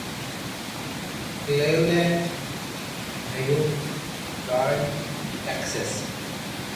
Cleveland Ohio گارینڈ Texas